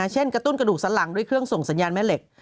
กระตุ้นกระดูกสันหลังด้วยเครื่องส่งสัญญาณแม่เหล็ก